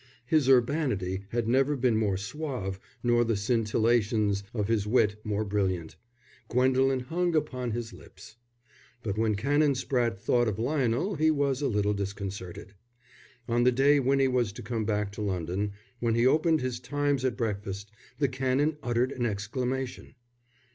His urbanity had never been more suave nor the scintillations of his wit more brilliant. Gwendolen hung upon his lips. But when Canon Spratte thought of Lionel he was a little disconcerted. On the day Winnie was to come back to London, when he opened his Times at breakfast, the Canon uttered an exclamation.